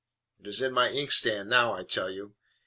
It is in my inkstand now, I tell you.